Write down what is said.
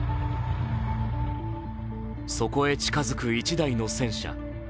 そこへ近づく１台の戦車。